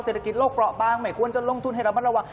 เศรษฐกิจโลกเกราะบ้างไม่ควรจะลงทุนให้เราระวัง